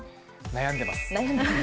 悩んでます。